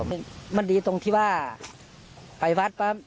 แล้วแฟนผมมันดีตรงที่ว่าไปวัดปั๊บ